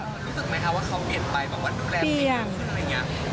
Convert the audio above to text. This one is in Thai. คุณรู้สึกไหมคะว่าเขาเปลี่ยนไปบางวันดูแลพี่มีเสื้ออะไรอย่างนี้